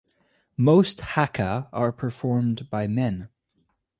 Most haka are performed by men.